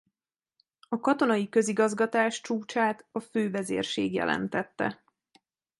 A katonai közigazgatás csúcsát a Fővezérség jelentette.